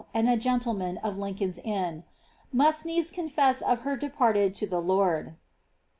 tnd a gentleman of Lincoln's Inn), ^ roust needs confess of her departed to the Lord.''